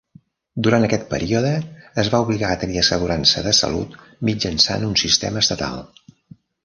Durant aquest període, es va obligar a tenir assegurança de salut mitjançant un sistema estatal.